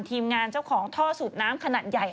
ทีมงานเจ้าของท่อสูบน้ำขนาดใหญ่